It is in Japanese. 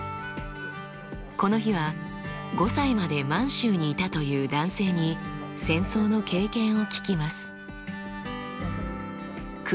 この日は５歳まで満州にいたという男性に戦争の経験を聞きます。